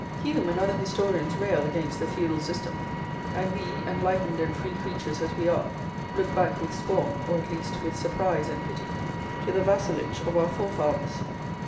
Hume and other historians rail against the feudal system; and we, "enlightened" and "free" creatures as we are, look back with scorn, or, at least, with surprise and pity, to the "vassalage" of our forefathers.